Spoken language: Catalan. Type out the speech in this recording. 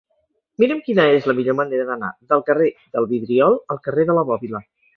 Mira'm quina és la millor manera d'anar del carrer del Vidriol al carrer de la Bòbila.